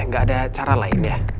gak ada cara lain ya